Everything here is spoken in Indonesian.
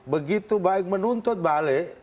begitu baik menuntut balik